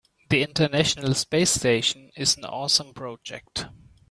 The international space station is an awesome project.